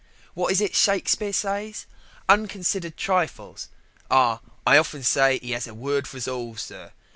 What is it Shakespeare says unconsidered trifles. Ah, I often say he 'as a word for us all, sir.